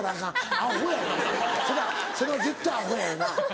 アホやなそれは絶対アホやよな。